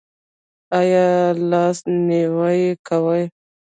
ایا لاس نیوی کوئ؟